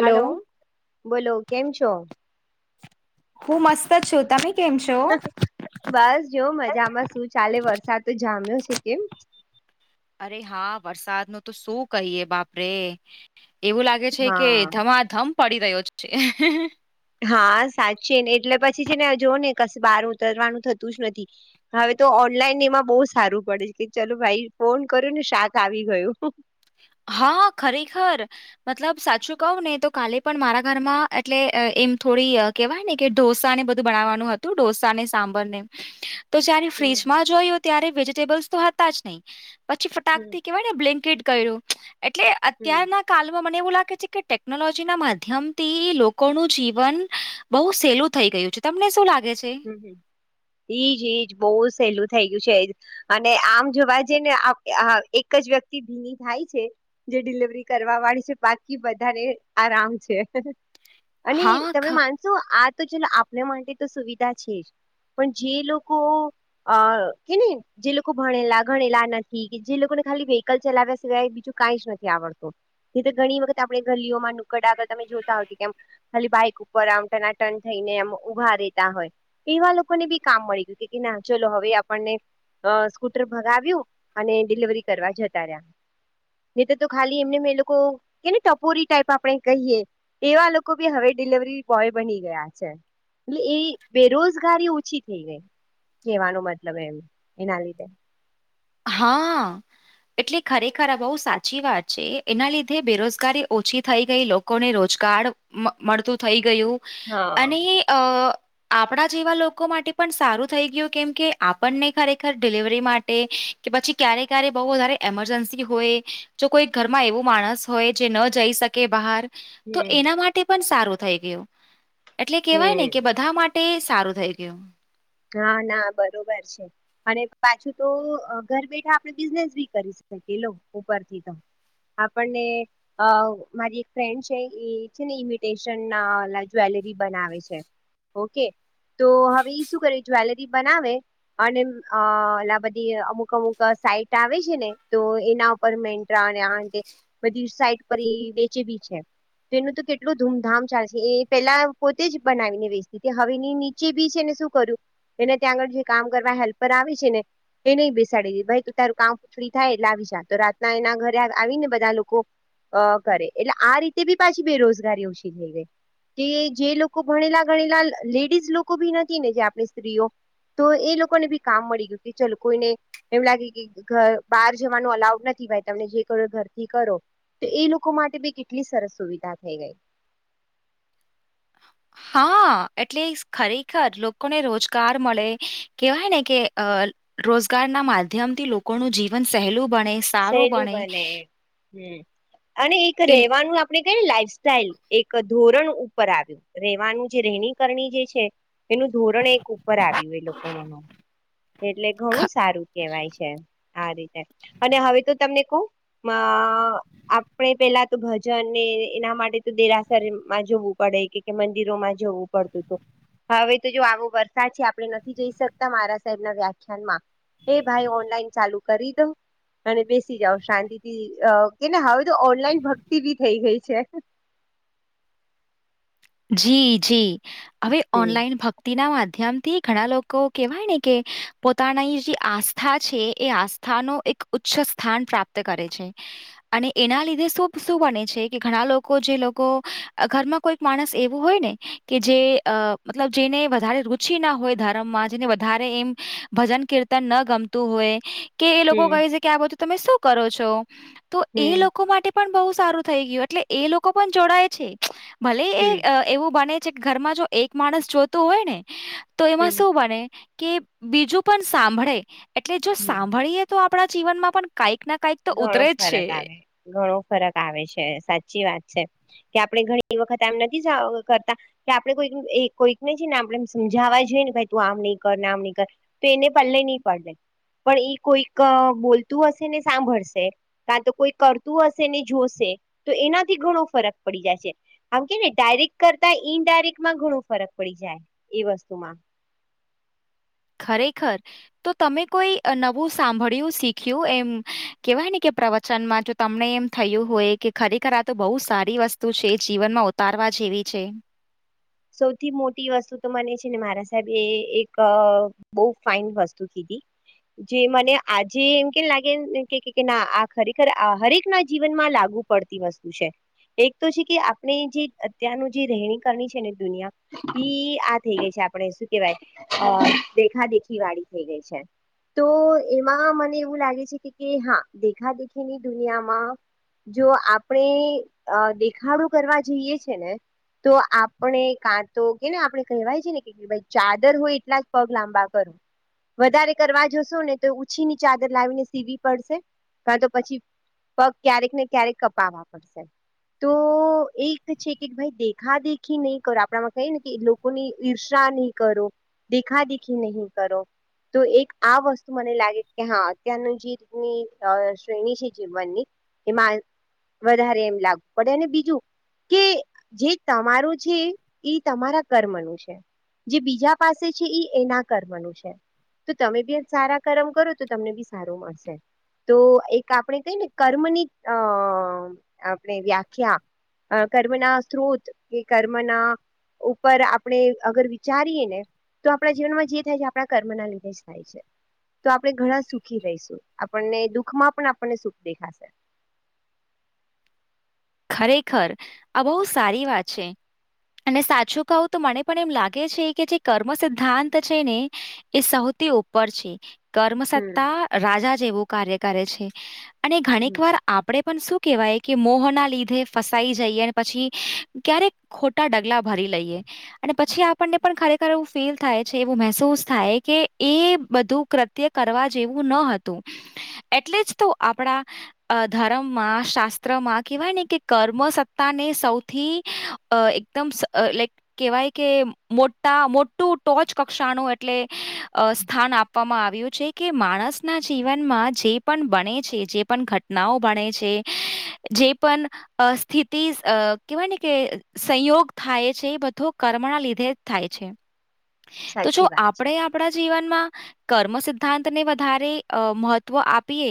Hello બોલો કેમ છો હું મસ્ત જ છોતાં કેમ છ બસ જો મજામાં શું ચાલે વરસાદ તો જામ્યો છે કેમ અરે હા વરસાદ નું તો શું કહીયએ બાપરે એવું લાગે છે કે હા ધમાધમ પડી રહ્યો છે હા સાચી ને એટલે પછી છે ને જોઓ ને ક બહાર ઉતરવાનું થતું જ નથી હવે તો ઓનલાઈન એમાં બહુ સારું પડે છે કે ચલોો ભાઈ ફોન કર્યો ને શાક આવી ગયું હા હ ખરેખર મતલબ સાચું કહવ ને તો કાલે પણ મારા ઘરમાં એટલે એમ થોડી કેવાય ને કે ોસા ને બધું બનાવાનું હતું ોસા ને સાંબર ને તો જયારે હમ ફ્રીજમાં જોયયો ત્યારે વેજીિટેબલ્સ તો હતા જ નહી પછી ફટાક હમ થી કેવાય કેટ કર્યું એટલે હમ અત્યાર કાલમાં મને એવું લાગે છે કે ટેકનોલોજી ના માધ્યમ થી લોકોનું જીવન બઉુ સહેલું થઇ ગયું છે તમને શું લાગે છે એઈજ ઈજ બહુ સહેલું થઈ ગયું છે એજ અને આમ જોવા જઈ ને એક જ વ્યક્તિ ભીની થાય છે જે ડિલવરી કરવા વાળી છે બાકી બધાને આરામ છે અને હા તમે ખ માનશો આ તો ચ આપને માટે તો સુવિધા છે જ પણ જે લોકોક અ કે નહી જે લોકો ભણેલા ભણેલા નથી કે જે લોકોને ખાલી વ્હકલ ચલાવ્યા સિવાય બીજું કઈ જ નથી આવડતું એ તો ઘણી વખત આપડણે ગલીઓમાં નુકટ આગળ તમે જોતા હોતી તેમ ખાલી બાઈક ઉપર આમના ટર્ન થઈને એમ ઉભા રહેેતા હોય એવા લોકોને બી કામ મળી ગયું કે ના ચલો હવે આપણને અ સ્કૂટર ભગાવ્યું અને ડિલિવરી કરવા જતા રહ્યા ને તોર તો ખાલી એમને મે એ લોકો કેને ટપોરી ટાઈપ આપણે કહીએ એવા લોકો બી હવે ડિલવરી બોય બની ગયા છે એટલે એ બેરોજગારી ઓછી થઈ ગઈ કહેવાનો મતલબ એમ એના લીધે હા એટલે ખરેખર આ બહુ સાચી વાત છે એના લીધે બેરોજગારી ઓછી થઈ ગઈ લોકો લોકોને રોજગાર મળતું થઈ ગયું હા અને અ આપણા જેવા લોકો માટે પણ સારું થઈ ગયું કેમ કે આપણને ખરેખર ડિલિવરી માટે કે પછી ક્યારે ક્યારે બહુ વધારે એમરજન્સી હોય જો કોઈ ઘરમાં એવું માણસ હોય જે ન જઈ શકે બાર તો હમ એના માટે પણ સારું થઈ ગયું એટલે કેવાય ને કે હમ બધા માટે સારું થઈ ગયું હા ના બરોબર છે અને પાછું તો ઘર બેઠા આપણે બિઝનેસ બી કરી શકી લો ઉપરથી તો આપણને અ મારી એક ફ્રેન્ડ છે એ છે ને ઇમિટેન જવેલરી બનાવે છે ઓકે તો હવે ઈ શું કરે જ્વેલરી બનાવે અને અ આ બધી અમુક અમુક સાઈટ આવે છે ને તો એના મે્રા આ બધી સાઈટ પર વચે બી છે તોનું તો કેટલું ધૂમધામ ચાલશે એ પેલા પોતે જ બનાવીને વેચતી હવેની ની બી છે ને શું કર્યું એને ત્યાં આગળ જે કામ કરવા હેલ્પર આવે છે ને એ નહી બેસાડી દી ભાઈ તું તારું કામ પૂછડી થાય એટલે આવી જા તો રાતના એના ઘરે આવી ને બધા લોકો કરે એટલે આ રીતે બી પાછી બેરોજગારી ઓછી થઈ ગઈ કે જે લોકો ભણેલા ગણેલા લેડીઝ લોકો ભી નથી ને જે આપણે સ્ત્રીઓ તો એ લોકોને બી કામ મળી ગયું કે ચાલ કોઈને એમ લાગે કે બહાર જવાનું અલાઉડ નથી ભાઈ તમે જે કરો ઘરથી કરો તો એ લોકો માટે બી કેટલી સરસ સુવિધા થઈ ગઈ હા એટલે ખરેખર લોકોને રોજગાર મળે કેહેવાય ને કે રોજગાર ના માધ્યમથી લોકોનું જીવન સહેલું બણે સહેલું બને હ અને એક એ રેવાનું આપણે કને લાઈફ સાઈલ એક ધોરણ ઉપર આવ્યું રહેેવાનું જે રહેેણી કરણી જે છે એનું ધોરણ એક ઉપર આવ્યું એ લોકો મ એટલે ઘણું સારું કેહેવાય છે આ રીતે અને હવે તો તમને કો મા આપણે પેલા તો ભજન ને એના માટે તો દેરાસરમાં જોવું પડે કે મંદિરોમાં જોવું પડતું હવે તો જો આવો વરસાદ છે આપણે નથી જઈ શકતા મારા સાહેબ ના વ્યાખ્યાન માં એ ભાઈ ઓનલાઈન ચાલુ કરી દો અને બેસી જાઓ શાંતિ થી કેને હવે તો ઓનલાઈન ભક્તિ ભી થઈ ગઈ છે જી જી અવે હમ ઓનલાઈન ભક્ શતિ ના માધ્યમ થી ઘણા લોકો કેહેવાય ને કે પોતાની જે આસ્થા છે એ આસ્થા સ્થાનો એક ઉચ્ચ સ્થાન પ્રાપ્ત કરે છે અને એના લીધે શું શું બને છે કે ઘણા લોકો જે લોકો ઘરમાં કોઈ માણસ એવું હોય ને કે જે મતલબ જેને વધારે રુચિ ના હોય ધર્મમાં જેને વધારે એમ ભજન કીર્ ન ગમતું હોય કે એ લોકો હમ કહે છે કે આ બધું તમે શું કરો છો તો એ હમ લોકો માટે પણ બ સારું થઈ ગયું એટલે એ લોકો પણ જોડાય છે ભલે એ હમ હમ એવું બને છે કે ઘરમાં જો એક માણસ જોતું હોય ને તો એમાં શું બને કે બીજું પણ સાંભળે એટલે જો હમ સાંભળીએ તો આપણા જીવનમાં પણ કંઈક ના કઈક તો ઘણો ઉતરે જ છે ફરક આવે ઘણો ફરક આવે છે સાચી વાત છે કે આપડણે ઘણી વખત આમ નથી જ કરતા કે આપણે કોઈક કોઈકને છે ને આપણે સમજાવવા જોઈએ ને ભ તું આમ નહી કર ને આમ નહીં કર તો એને પલ્લે નહી પડે પણ એઈ કોઈક બોલતું હશે ને સાંભળશે કારાણ તો કોઈ કરતું હશે ને જોશે તો એનાથી ઘણો ફરક પડી જાયશે આમ કે ને ડાયરેક્ટ કરતા ઈન ડાયરેક્ટમાં ઘણું ફરક પડી જાય એ વસ્તુમાં ખરેખર તો તમે કોઈ નવું સાંભળ્યું શીખ્યું એમ કેવાય ને કે પ્રવચનમાં જો તમને એમ થયું હોય કે ખરેખર આ તો બહુ સારી વસ્તુ છે જીવનમાં ઉતારવા જેવી છે સૌથી મોટી વસ્તુ તો મને છે ને મારા સાહેબ એ એક બહુ ફાઇન વસ્તુ કીધી જે મને આજે એમ કેમ લાગે ના આ ખરેખર હરેક ના જીવનમાં લાગુ પડતી વસ્તુ છે એક તો છે કે આપણે જે અત્યારનું જે રહેણી કર છે ને દુનિયા આ થઈ ગઈ છે આપણે શું કેવાય અ દેખા દેખી વાળી થઈ ગઈ છે તો એમાં મને એવું લાગે છે કે હા દેખા દેખીની દુનિયામાં જો આપણે દેખાડો કરવા જઈએ છે ને તો પણ એ કાં તો કે ને આપણે કહેવાય છે ને કે ભાઈ ચાદર હોય એટલાજ પગ લાંબા કરો વધારે કરવા જોશો ને તો ઉછીની ચાદર લાવીને સીવી પડશે કા તો પછી પગ ક્યારેકને ક્યારેક કપાવવા પડશે તો એક છે કે ભાઈ દેખા દેખ ઈ નહી કરો આપણામાં કઈ ને કે લોકો ની ઈર્ષ્યા નહી કરો દેખા દિખી નહીં કરો તો એક આ વસ્તુ મને લાગે કે હા અત્યારનું જે રીતની શ્રેણી છે જીવનની એમાં વધારે એમ લાગવું પડે અને બીજું કે જે તમારું એ તમારા કર્મનું છે જે બીજા પાસે છે એના કર્મનું છે તો તમે બી સારા કરમ કરો તો તમને બી સારું મળશે તો એક આપણે કહીને કર્મની અ આપણે વ્યાખ્યા અ કર્મના સ્ત્રોત કે કર્મના ઉપર આપણે અગર વિચારીએ ને તો આપણા જીવનમાં જે થાય છે આપણા કર્મના લીધે જ થાય છે તો આપણે ઘણા સુખી રહીશું આપણને દુઃખમાં પણ આપણને સુખ દેખાશે ખરેખર આ બહુ સારી વાત છે અને સાચું કહું તો મને પણ એમ લાગે છે કે જે કર્મ સિદ્ધાંત છે ને એ સૌથી ઉપર છે કર્મ હમ સત્તા રાજા જેવું કાર્ય કરે છે અને હમ ઘણીક વાર આપણેે પણ શું કેવાયકે મોહના લીધ ફસાઈ જઈએ અને પછી ક્યારેક ખોટા ડગલા ભરી લઈએ અને પછી આપણને પણ ખરેખર એવું ફીલ થાય છે એવું મહેસૂસ થાય કે એ બધું કૃત્ય કરવા જેવું ન હતું એટલે જ તો આપડા ધર્મમાં શાસ્ત્રમાં કેવાય ને કે કર્મ સત્તાને સૌથી એકદમ લાઈક કવાયકે મોટા મોટું ટોચ કક્ષાનું એટલે સ્થાન આપ આપવામાં આવ્યું છે કે માણસના જીવનમાં જે પણ બને છે જે પણ ઘટ ઘટનાઓ ભણે છે જે પણ અ સ્થિતિ કહેવાયને કે સંયોગ થાય છે એ બધો કર્મના લીધે જ થાય છે તો જો સાચી વાત છે આપણેે આપણા જીવનમાં કર્મ સિદ્ધાંતને વધારે મહત્વ આપીએ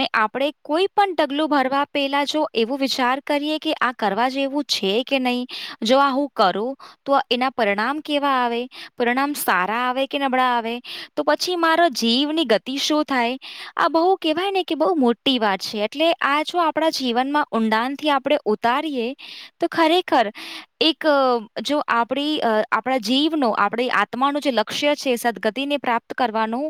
ને આપડે કોઈ પણ ટગલું ભરવા પેલા જો એવું વિચાર કરીએ કે આ કરવા જેવું છે કે નહી જો આ હું કરું તો એના પરિણામ કેવા આવે પરિણામ સારા આવે કે નબળા આવે તો પછી મારા જીવની ગતિ શું થાય આ બહુ કેવાયને કે બહુ મોટી વાત છે એટલે આ જો આપણા જીવનમાં ઊંડાણથી આપ આપડે ઉતારીએ તો ખરેખર એક જો આપણી આપણા જીવનો આપણી આત્માનું જે લક્ષ્ય છે સદગતિને પ્રાપ્ત કરવાનું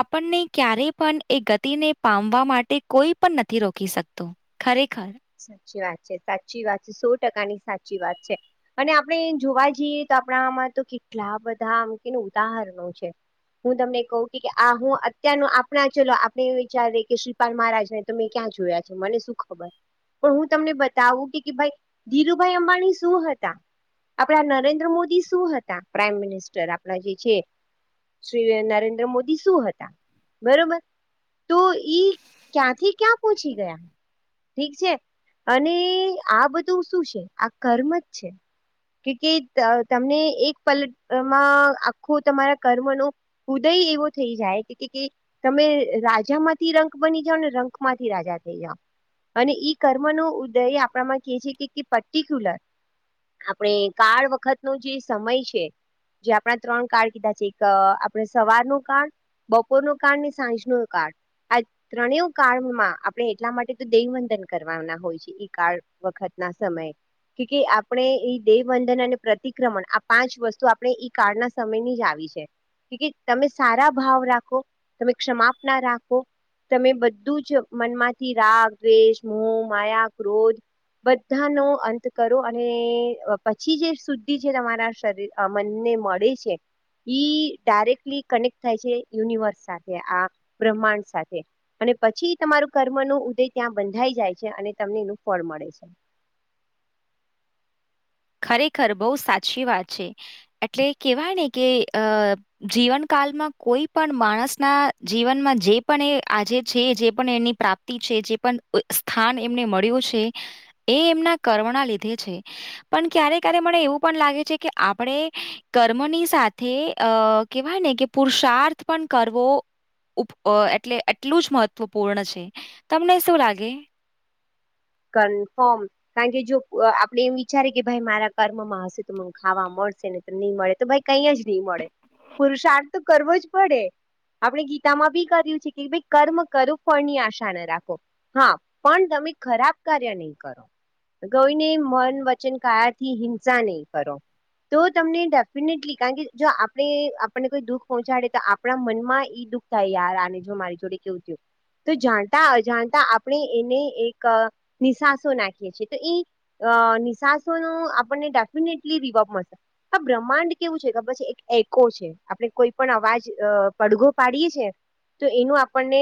આપણને ક્યારે પણ એ ગતિને પામવા માટે કોઈ પણ નથી રોકી શકતો ખરેખર સાચી વાત છે સાચી વાત છે સો ટકા ની સાચી વાત છે અને આપણે જોવા જઈએ તો આપણામાં તો કેટલા બધા આમ કેને ઉદાહરણો છે હું તમને કહુંકે આ હું અત્યાર ન આપણા ચલો આપણે એ વિચાર કે શ મહારાજ ને તમે ક્યાં જોયા છે મને શું ખબર પણ હું તમને બતાવુંકે ભાઈ ધીરુભાઈ અંબાણી શું હતા આપડા નરેન્દ્ર મોદી શું હતા પ્રાઈમ મિનિસ્ટર આપડા જે છે શ્રી નરેન્દ્ર મોદી શું હતા બરોબર તો ઈ ક્યાંથી ક્યાં પહોંચી ગયા ઠીક છે અને આ બધું શું છે આ કર્મ જ છે કુ કે તમને એક પલટમાં આખું તમારા કર્મ નો ઉદય એવો થઈ જાય તમે રાજા માંથી રંખ બની જાઓ ને રંખ માંથી રાજા થઇ જાઓ. અને ઈ કર્મ ન ઉદય આપણામાં કે છે કે પર્ટિક્યુલર આપણે કાળ વખત નો જે સમય છે જે આપણા ત્રણ કાર્ડ કીધા છે એક આપણે સવારનો કાળ બપોરનો કાળ ને સાંજનો કાળ આ ત્રણેવ કાળમાં આપણે એટલા માટે તો દે કરવાના હોય છે કે કાળ વખત ના સમયે કે કે આપણે એ દેવવંદન અને પ્રતિક્રમણ આ પાંચ વસ્તુ આપણે ઈ કાળના સમય ની જ આવી છે તમે સારા ભાવ રાખો તમે ક્ષમાપ ના રાખો તમે બધું જ મનમાંથી રાગ, દ્વેષ, મો, માયા, ક્રોધ બધાનો અંત કરો અને પછી જે સુધી જે તમારા શરીર આ મનને મળે છે. ઈ ડાયરેક્ટલી કનેક્ટ થાય છે યુનિવર્સ સાથે આ બ્રહ્માંડ સાથે અને પછી તમારું કર્મ ન ઉદય ત્યાં બંધાઈ જાય છે અને તમને એનું ફળ મળે છે. ખરેખર બહુ સાચી વાત છે એટલે કેવાય ને કે અ જીવનકાળમાં કોઈ પણ માણસના જીવનમાં જે પણ એ આજે છે જે પણ એની પ્રાપ્તિ છે જે પણ સ્થાન એમને મળ્યું છે એ એમના કર્મના લીધે છે પણ ક્યારે ક્યારે મને એવું પણ લાગે છે કે આપણે કર્મની સાથે અ કેવાય ને કે પુરુષાર્થ પણ કરવો. એટલે એટલું જ મહત્વપૂર્ણ છે તમને શું લાગે? કનફર્મ કારણ કે જો આપડે એમ વિચારે કે ભાઈ મારા કર્મમાં હશે તો મને ખાવા મળશેને નહી મળે તો ભાઈ કઈ જ નહી મળે પુરુષાર્થ તો કરવો જ પડે. આપણે ગીતામાં બી કર્યું છે કે ભાઈ કર્મ કરો ફની આશા ન રાખો હા પણ તમે ખરાબ કાર્ય નહી કરો. ગઈને મન વચન કાયાથી હિંસા નહી કરો. તો તમને ડેફિનેટલી કારણ કે જો આપણે આપણને કોઈ દુઃખ પહોંચાડે તો આપણા મનમાં ઈ દુઃખ તૈયારા જો મારી જોડે કેવું થયું તો જાણતા અજાણતા આપણે એને એક નિશાસો નાખીએ છીએ તો એ નિશાસો નો આપણને ડેફિનેટલી રિવપ મળશે આ બ્રહ્માંડ કેવું છે કે પ એક એકો છે આપણે કોઈ પણ અવાજ પડઘો પાડીયે છીએ. તો એનું આપણને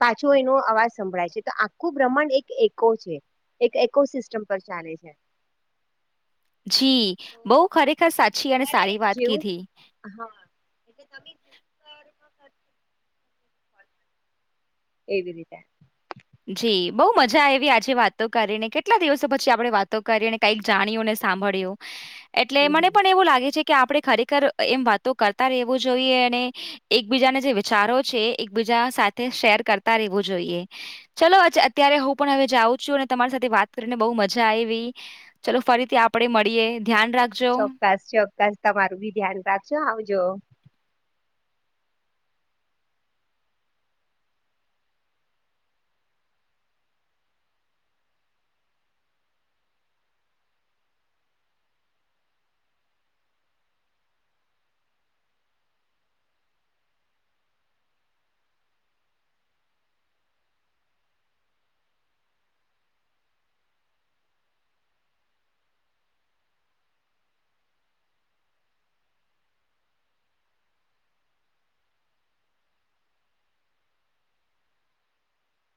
પાછો એનો અવાજ સંભળાય છે તો આખું બ્રહ્માંડ એક છે એકકો સિસ્ટમ પર ચાલે છે. જી તો બઉ ખરેખર સાચી અને તમારે સારી વાત જેવું કીધી હા એટલે તમે જેવું એવી રીતે જી બહુ મજા આવી આજે વાતો કરીને કેટલા દિવસો પછી આપણે વાતો કરીએને કઈક જાણ્યું ને સાંભળ્યું. એટલે મને હમ પણ એવું લાગે છે કે આપડે ખરેખર એમ વાતો કરતા રહેવું જોઈએ અને એકબીજાને જે વિચારો છે એકબીજા સાથે શેર કરતા રહેવું જોઈએ. ચલો અચ્ા અત્યારે હું પણ હવે જાઉં છું અને તમારી સાથે વાત કરીને બહુ મજા આયવી. ચાલલો ફરીથી આપડે મળીએ ધ્યાન રાખ ચોક્કસ ચોક્કસ તમારું ભી ધ્યાન રાખજો આવજો.